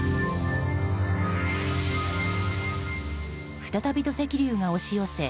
再び土石流が押し寄せ